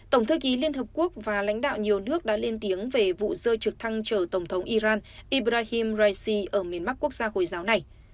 tổng thư ký liên hợp quốc và lãnh đạo nhiều nước đã lên tiếng về vụ rơi trực thăng chở tổng thống iran ibrahim raisi ở miền bắc quốc gia hồi giáo này